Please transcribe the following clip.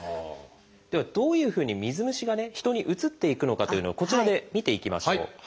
ではどういうふうに水虫が人にうつっていくのかというのをこちらで見ていきましょう。